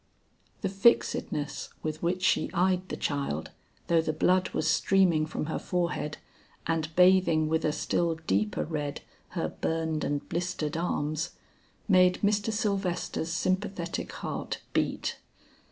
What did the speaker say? The fixedness with which she eyed the child, though the blood was streaming from her forehead and bathing with a still deeper red her burned and blistered arms, made Mr. Sylvester's sympathetic heart beat.